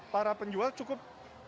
para penjual cukup